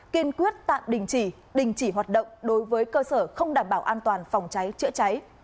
kiên quyết tạm đình chỉ đình chỉ hoạt động đối với cơ sở không đảm bảo an toàn phòng cháy chữa cháy